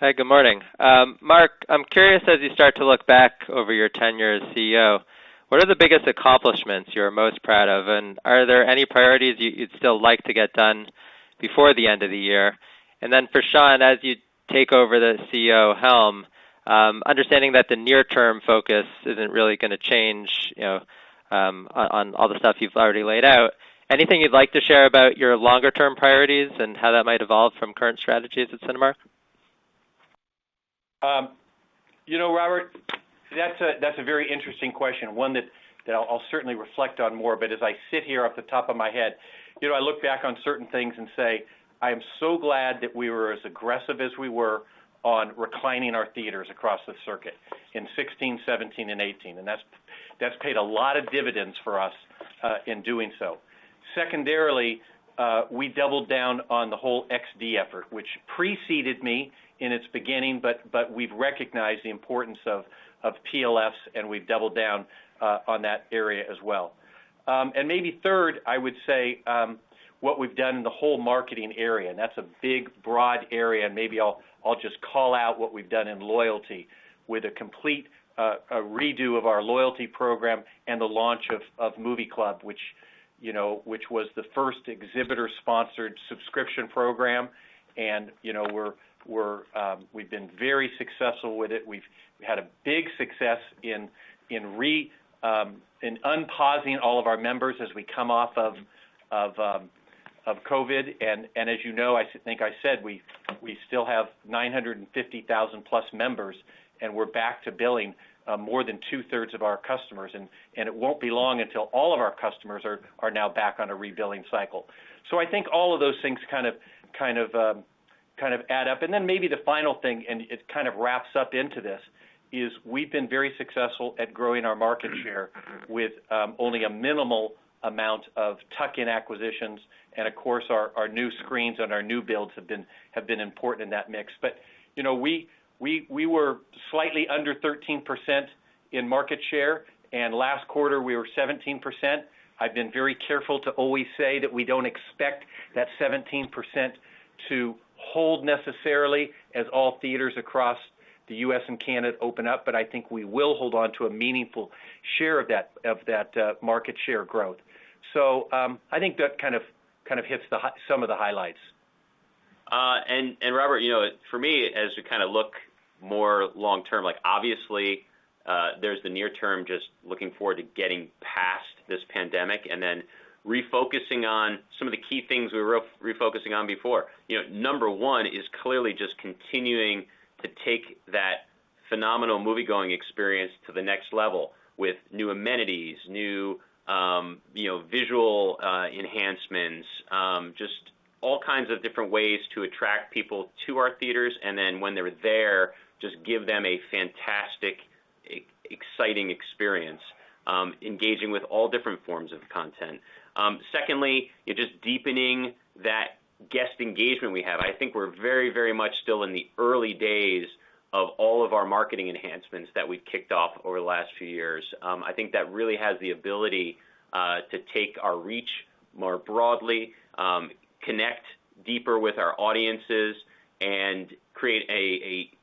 Hey, good morning. Mark, I'm curious as you start to look back over your tenure as CEO, what are the biggest accomplishments you're most proud of? Are there any priorities you'd still like to get done before the end of the year? For Sean, as you take over the CEO helm, understanding that the near-term focus isn't really going to change on all the stuff you've already laid out, anything you'd like to share about your longer-term priorities and how that might evolve from current strategies at Cinemark? Robert, that's a very interesting question, one that I'll certainly reflect on more, but as I sit here, off the top of my head, I look back on certain things and say, "I am so glad that we were as aggressive as we were on reclining our theaters across the circuit in 2016, 2017, and 2018." That's paid a lot of dividends for us in doing so. Secondarily, we doubled down on the whole XD effort, which preceded me in its beginning, but we've recognized the importance of PLFs, and we've doubled down on that area as well. Maybe third, I would say, what we've done in the whole marketing area, and that's a big, broad area, and maybe I'll just call out what we've done in loyalty with a complete redo of our loyalty program and the launch of Movie Club, which was the first exhibitor-sponsored subscription program. We've been very successful with it. We've had a big success in unpausing all of our members as we come off of COVID, and as you know, I think I said, we still have 950,000+ members, and we're back to billing more than two-thirds of our customers, and it won't be long until all of our customers are now back on a rebilling cycle. I think all of those things kind of add up. Maybe the final thing, and it kind of wraps up into this, is we've been very successful at growing our market share with only a minimal amount of tuck-in acquisitions. Of course, our new screens and our new builds have been important in that mix. We were slightly under 13% in market share, and last quarter, we were 17%. I've been very careful to always say that we don't expect that 17% to hold necessarily as all theaters across the U.S. and Canada open up, but I think we will hold on to a meaningful share of that market share growth. I think that kind of hits some of the highlights. Robert, for me, as we kind of look more long-term, obviously, there's the near term, just looking forward to getting past this pandemic and then refocusing on some of the key things we were refocusing on before. Number one is clearly just continuing to take that phenomenal moviegoing experience to the next level with new amenities, new visual enhancements, just all kinds of different ways to attract people to our theaters. When they're there, just give them a fantastic, exciting experience engaging with all different forms of content. Secondly, just deepening that guest engagement we have. I think we're very much still in the early days of all of our marketing enhancements that we've kicked off over the last few years. I think that really has the ability to take our reach more broadly, connect deeper with our audiences, and create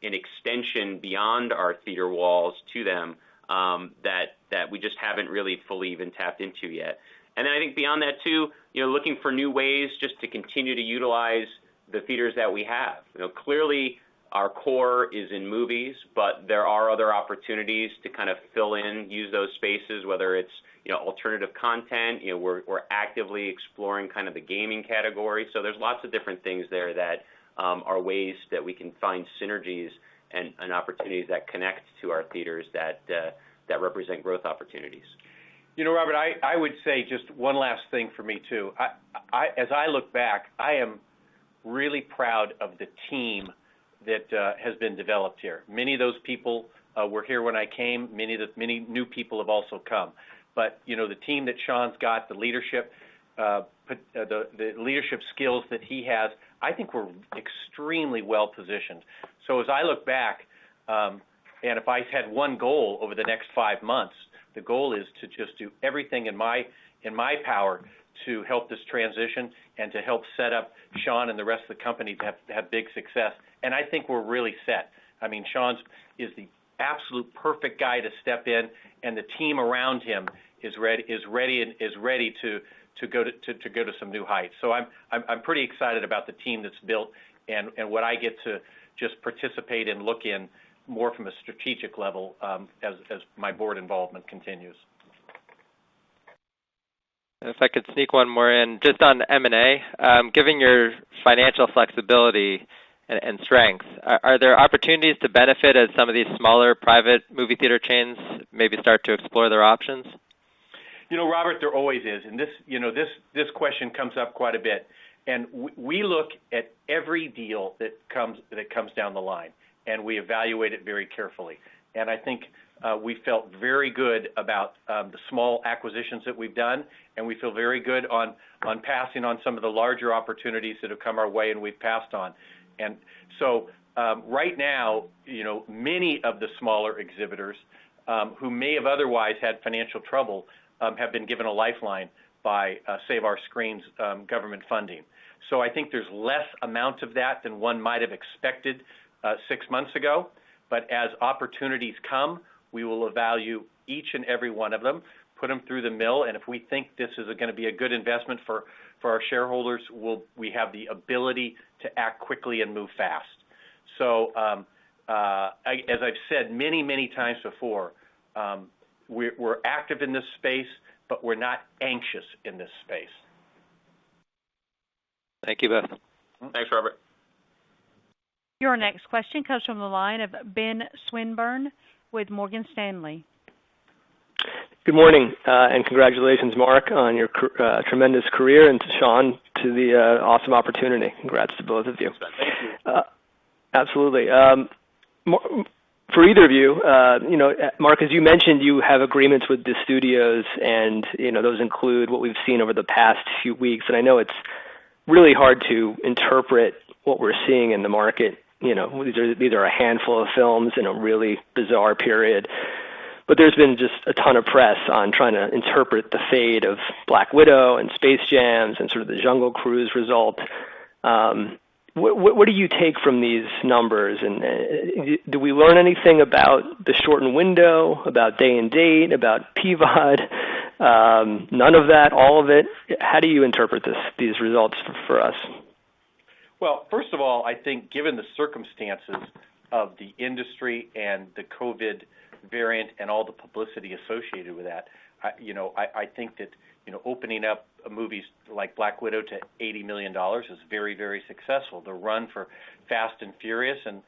an extension beyond our theater walls to them that we just haven't really fully even tapped into yet. Then I think beyond that too, looking for new ways just to continue to utilize the theaters that we have. Clearly, our core is in movies, but there are other opportunities to kind of fill in, use those spaces, whether it's alternative content. We're actively exploring kind of the gaming category. There's lots of different things there that are ways that we can find synergies and opportunities that connect to our theaters that represent growth opportunities. Robert, I would say just one last thing for me, too. As I look back, I am really proud of the team that has been developed here. Many of those people were here when I came. Many new people have also come. The team that Sean's got, the leadership skills that he has, I think we're extremely well-positioned. As I look back, and if I had one goal over the next five months, the goal is to just do everything in my power to help this transition and to help set up Sean and the rest of the company to have big success. I think we're really set. Sean is the absolute perfect guy to step in, and the team around him is ready to go to some new heights. I'm pretty excited about the team that's built and what I get to just participate and look in more from a strategic level as my board involvement continues. If I could sneak one more in, just on M&A. Given your financial flexibility and strength, are there opportunities to benefit as some of these smaller private movie theater chains maybe start to explore their options? Robert, there always is. This question comes up quite a bit. We look at every deal that comes down the line, and we evaluate it very carefully. I think we felt very good about the small acquisitions that we've done, and we feel very good on passing on some of the larger opportunities that have come our way and we've passed on. Right now, many of the smaller exhibitors, who may have otherwise had financial trouble, have been given a lifeline by Save Our Screens government funding. I think there's less amount of that than one might've expected six months ago. As opportunities come, we will evaluate each and every one of them, put them through the mill, and if we think this is going to be a good investment for our shareholders, we have the ability to act quickly and move fast. As I've said many times before, we're active in this space, but we're not anxious in this space. Thank you, both. Thanks, Robert. Your next question comes from the line of Ben Swinburne with Morgan Stanley. Good morning, congratulations, Mark, on your tremendous career, and to Sean to the awesome opportunity. Congrats to both of you. Thank you. Absolutely. For either of you, Mark, as you mentioned, you have agreements with the studios and those include what we've seen over the past few weeks, and I know it's really hard to interpret what we're seeing in the market. These are a handful of films in a really bizarre period. But there's been just a ton of press on trying to interpret the fate of Black Widow and Space Jam and sort of the Jungle Cruise result. What do you take from these numbers? Do we learn anything about the shortened window, about day and date, about PVOD? None of that, all of it? How do you interpret these results for us? Well, first of all, I think given the circumstances of the industry and the COVID variant and all the publicity associated with that, I think that opening up movies like "Black Widow" to $80 million is very successful. The run for "Fast & Furious" and,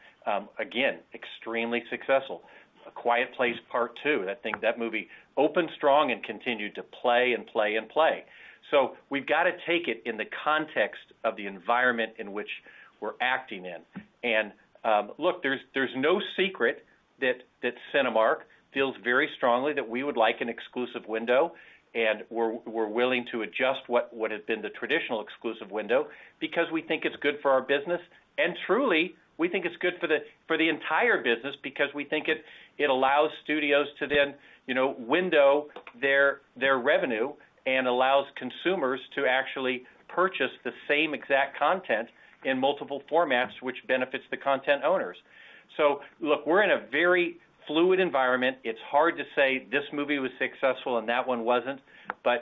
again, extremely successful. "A Quiet Place Part II," I think that movie opened strong and continued to play and play. We've got to take it in the context of the environment in which we're acting in. Look, there's no secret that Cinemark feels very strongly that we would like an exclusive window, and we're willing to adjust what has been the traditional exclusive window because we think it's good for our business. Truly, we think it's good for the entire business because we think it allows studios to then window their revenue and allows consumers to actually purchase the same exact content in multiple formats, which benefits the content owners. Look, we're in a very fluid environment. It's hard to say this movie was successful and that one wasn't.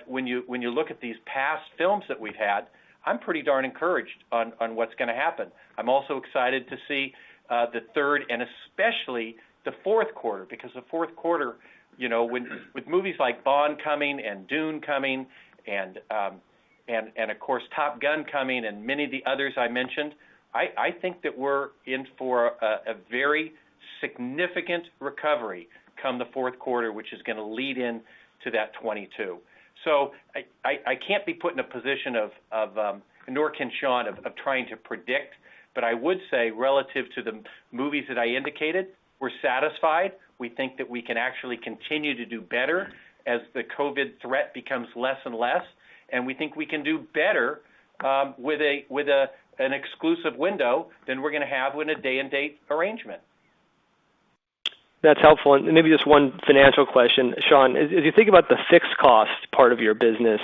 When you look at these past films that we've had, I'm pretty darn encouraged on what's going to happen. I'm also excited to see the third and especially the fourth quarter, because the fourth quarter, with movies like Bond coming and Dune coming and, of course, Top Gun coming and many of the others I mentioned, I think that we're in for a very significant recovery come the fourth quarter, which is going to lead into that 2022. I can't be put in a position of, nor can Sean, of trying to predict. I would say, relative to the movies that I indicated, we're satisfied. We think that we can actually continue to do better as the COVID threat becomes less and less, and we think we can do better with an exclusive window than we're going to have with a day-and-date arrangement. That's helpful. Maybe just one financial question. Sean, as you think about the fixed cost part of your business,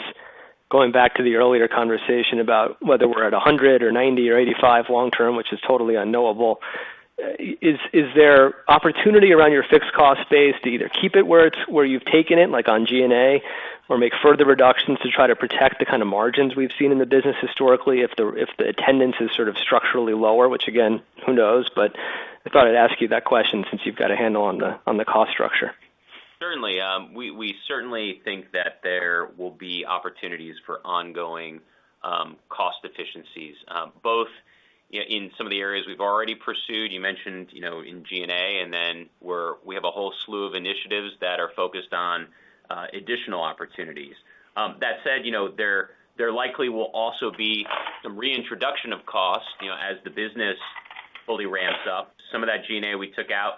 going back to the earlier conversation about whether we're at 100 or 90 or 85 long-term, which is totally unknowable, is there opportunity around your fixed cost base to either keep it where you've taken it, like on G&A, or make further reductions to try to protect the kind of margins we've seen in the business historically, if the attendance is sort of structurally lower? Which again, who knows, but I thought I'd ask you that question since you've got a handle on the cost structure. Certainly. We certainly think that there will be opportunities for ongoing cost efficiencies, both in some of the areas we've already pursued, you mentioned in G&A. We have a whole slew of initiatives that are focused on additional opportunities. There likely will also be some reintroduction of costs as the business fully ramps up. Some of that G&A we took out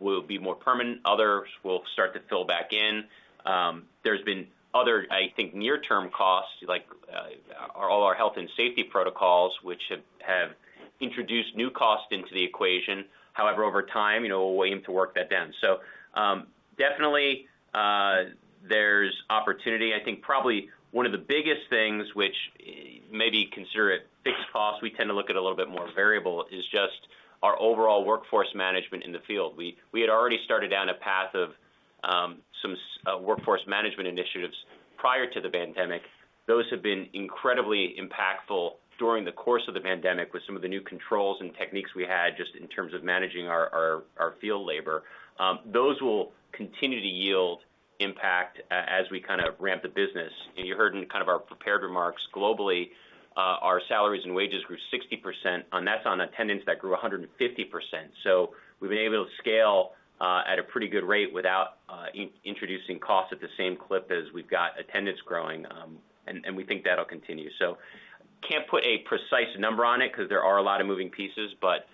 will be more permanent. Others will start to fill back in. There's been other near-term costs, like all our health and safety protocols, which have introduced new cost into the equation. Over time, we'll aim to work that down. Definitely, there's opportunity. Probably one of the biggest things which maybe consider it fixed costs, we tend to look at a little bit more variable, is just our overall workforce management in the field. We had already started down a path of some workforce management initiatives prior to the pandemic. Those have been incredibly impactful during the course of the pandemic with some of the new controls and techniques we had just in terms of managing our field labor. Those will continue to yield impact as we ramp the business. You heard in our prepared remarks, globally, our salaries and wages grew 60%, and that's on attendance that grew 150%. We've been able to scale at a pretty good rate without introducing costs at the same clip as we've got attendance growing, and we think that'll continue. Can't put a precise number on it because there are a lot of moving pieces, but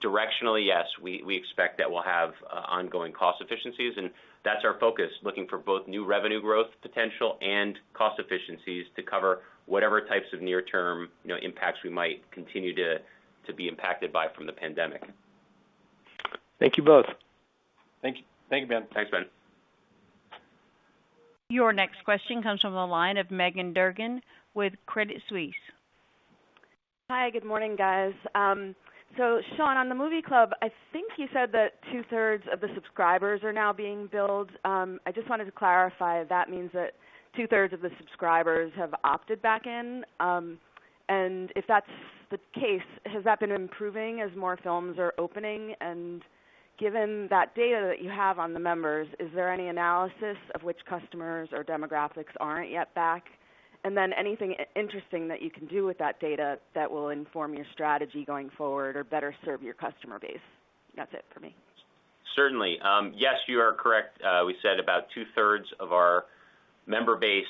directionally, yes, we expect that we'll have ongoing cost efficiencies, and that's our focus, looking for both new revenue growth potential and cost efficiencies to cover whatever types of near-term impacts we might continue to be impacted by from the pandemic. Thank you both. Thank you. Thank you, Ben. Thanks, Ben. Your next question comes from the line of Meghan Durkin with Credit Suisse. Hi, good morning, guys. Sean, on the Movie Club, I think you said that two-thirds of the subscribers are now being billed. I just wanted to clarify if that means that two-thirds of the subscribers have opted back in. If that's the case, has that been improving as more films are opening? Given that data that you have on the members, is there any analysis of which customers or demographics aren't yet back? Anything interesting that you can do with that data that will inform your strategy going forward or better serve your customer base? That's it for me. Certainly. Yes, you are correct. We said about two-thirds of our member base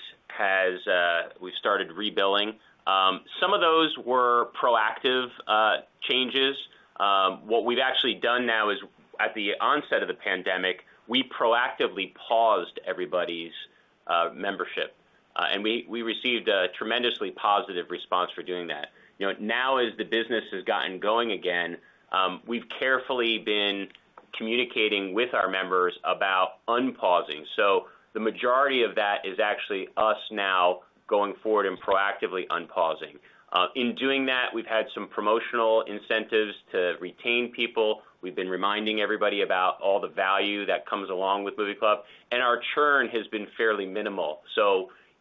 we've started rebilling. Some of those were proactive changes. What we've actually done now is at the onset of the pandemic, we proactively paused everybody's membership. We received a tremendously positive response for doing that. As the business has gotten going again, we've carefully been communicating with our members about unpausing. The majority of that is actually us now going forward and proactively unpausing. In doing that, we've had some promotional incentives to retain people. We've been reminding everybody about all the value that comes along with Movie Club, and our churn has been fairly minimal.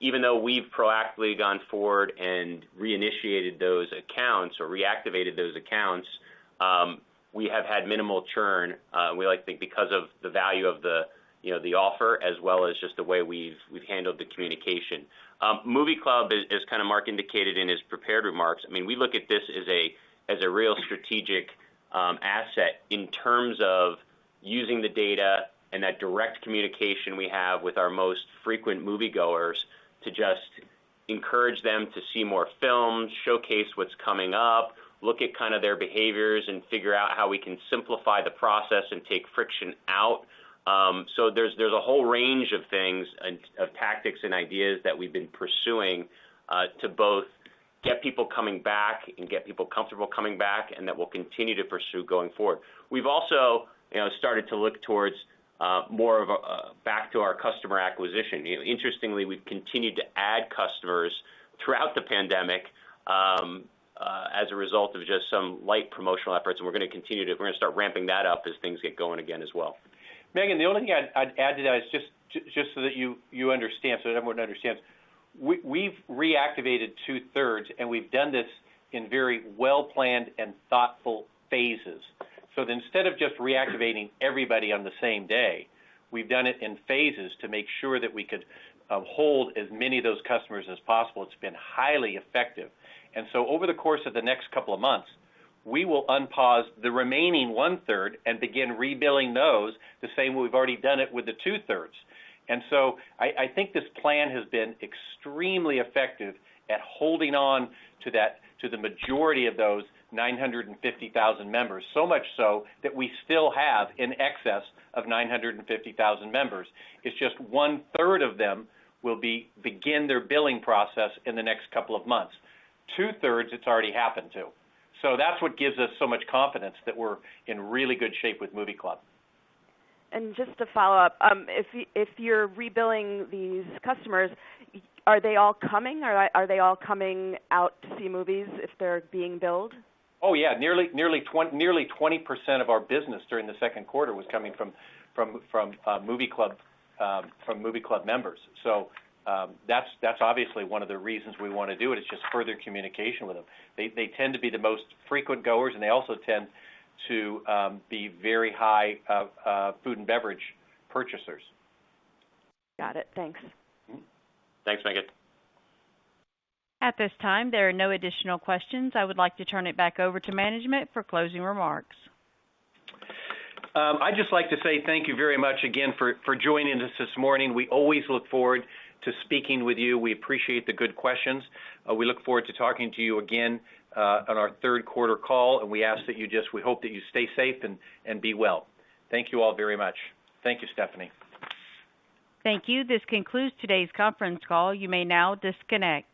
Even though we've proactively gone forward and reinitiated those accounts or reactivated those accounts, we have had minimal churn. We like to think because of the value of the offer as well as just the way we've handled the communication. Movie Club, as Mark indicated in his prepared remarks, we look at this as a real strategic asset in terms of using the data and that direct communication we have with our most frequent moviegoers to just encourage them to see more films, showcase what's coming up, look at their behaviors, and figure out how we can simplify the process and take friction out. There's a whole range of things and of tactics and ideas that we've been pursuing to both get people coming back and get people comfortable coming back and that we'll continue to pursue going forward. We've also started to look towards more of back to our customer acquisition. Interestingly, we've continued to add customers throughout the pandemic, as a result of just some light promotional efforts, and we're going to start ramping that up as things get going again as well. Meghan, the only thing I'd add to that is just so that everyone understands. We've reactivated two-thirds, and we've done this in very well-planned and thoughtful phases. Instead of just reactivating everybody on the same day, we've done it in phases to make sure that we could hold as many of those customers as possible. It's been highly effective. Over the course of the next couple of months, we will unpause the remaining 1/3 and begin rebilling those the same way we've already done it with the 2/3. I think this plan has been extremely effective at holding on to the majority of those 950,000 members, so much so that we still have in excess of 950,000 members. It's just 1/3 of them will begin their billing process in the next couple of months. 2/3, it's already happened to. That's what gives us so much confidence that we're in really good shape with Movie Club. Just to follow up, if you're rebilling these customers, are they all coming? Are they all coming out to see movies if they're being billed? Oh, yeah. Nearly 20% of our business during the second quarter was coming from Movie Club members. That's obviously one of the reasons we want to do it, is just further communication with them. They tend to be the most frequent goers, and they also tend to be very high food and beverage purchasers. Got it. Thanks. Thanks, Meghan. At this time, there are no additional questions. I would like to turn it back over to management for closing remarks. I'd just like to say thank you very much again for joining us this morning. We always look forward to speaking with you. We appreciate the good questions. We look forward to talking to you again on our third quarter call, and we hope that you stay safe and be well. Thank you all very much. Thank you, Stephanie. Thank you. This concludes today's conference call. You may now disconnect.